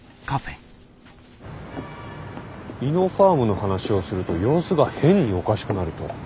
イノファームの話をすると様子が変におかしくなると。